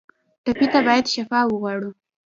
ټپي ته باید شفا وغواړو.